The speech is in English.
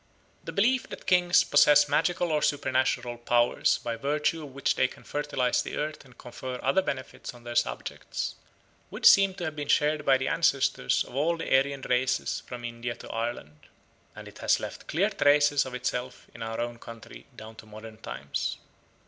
The belief that kings possess magical or supernatural powers by virtue of which they can fertilise the earth and confer other benefits on their subjects would seem to have been shared by the ancestors of all the Aryan races from India to Ireland, and it has left clear traces of itself in our own country down to modern times.